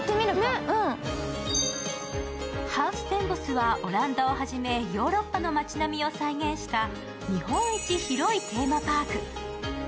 ハウステンボスはオランダをはじめヨーロッパの町並みを再現した日本一広いテーマパーク。